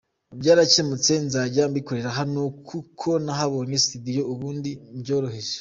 Byarakemutse nzajya mbikorera hano kuko nahabonye studio, ubundi mbyohereze.